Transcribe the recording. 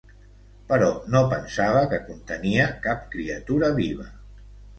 Però no pensava que contenia cap criatura viva.